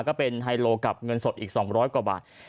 ก็เป็นไฮโลกับเงินสดอีก๒๐๐กว่าบาท